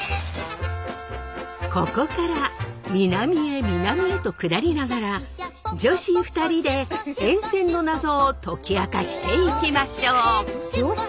ここから南へ南へと下りながら女子２人で沿線のナゾを解き明かしていきましょう。